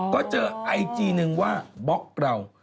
ก็เจอไอจีหนึ่งว่าบล็อกเรา